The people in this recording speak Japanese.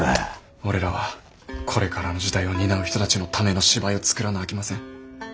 俺らはこれからの時代を担う人たちのための芝居を作らなあきません。